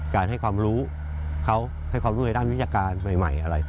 การให้ความรู้เขาได้ด้านวิทยาความใหม่อะไร